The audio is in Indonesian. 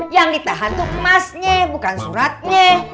yang ditahan tuh emasnya bukan suratnya